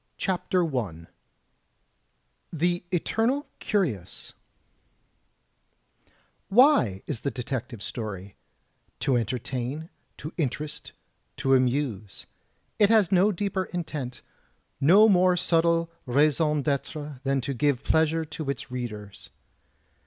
CHAPTER I THE ETERNAL CURIOUS Why is the detective story? To entertain, to interest, to amuse. It has no deeper intent, no more subtle raison d'itre than to give pleasure to its readers.